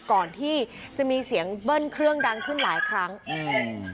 ก่อนที่จะมีเสียงเบิ้ลเครื่องดังขึ้นหลายครั้งอืม